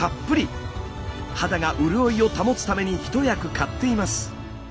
肌が潤いを保つために一役買っています。